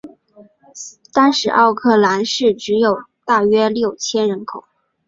当时奥克兰市只有大约六千人口。